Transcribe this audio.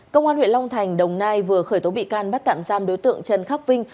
công an huyện long thành đồng nai vừa khởi tố bị can bắt tạm giam đối tượng trần khắc vinh